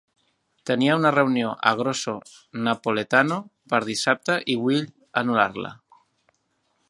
Tenia una reunió a Grosso Napoletano per dissabte i vull anul·lar-la.